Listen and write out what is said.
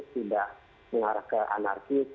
tidak mengarah ke anarkis